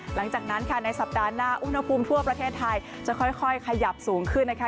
หลังจากนั้นค่ะในสัปดาห์หน้าอุณหภูมิทั่วประเทศไทยจะค่อยขยับสูงขึ้นนะคะ